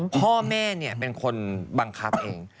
พ่อแม่เป็นคนบังคับเอง